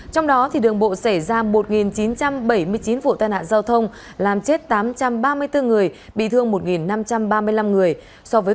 trong đó đường bộ xảy ra một chín trăm bảy mươi chín vụ tai nạn giao thông làm chết tám trăm ba mươi bốn người bị thương một năm trăm ba mươi năm người